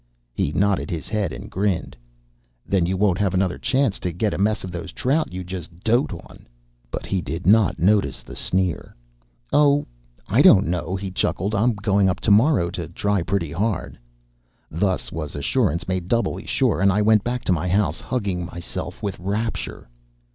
He nodded his head and grinned. "Then you won't have another chance to get a mess of those trout you just 'dote' on." But he did not notice the sneer. "Oh, I don't know," he chuckled. "I'm going up to morrow to try pretty hard." Thus was assurance made doubly sure, and I went back to my house hugging myself with rapture.